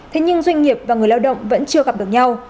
thế nhưng doanh nghiệp và người lao động vẫn chưa gặp được nhau